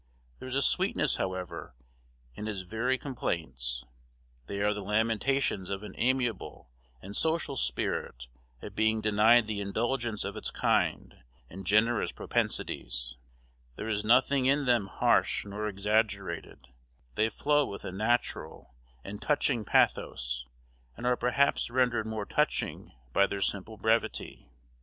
There is a sweetness, however, in his very complaints; they are the lamentations of an amiable and social spirit at being denied the indulgence of its kind and generous propensities; there is nothing in them harsh nor exaggerated; they flow with a natural and touching pathos, and are perhaps rendered more touching by their simple brevity.